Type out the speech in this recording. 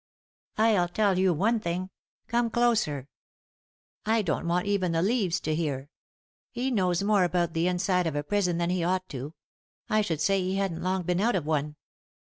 "I'll tell you one thing; come closer — I don't want even the leaves to hear. He knows more about the inside of a prison than he ought to ; I should say he hadn't long been out of one."